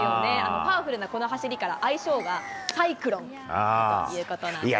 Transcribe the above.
パワフルなこの走りから、愛称はサイクロンということなんですね。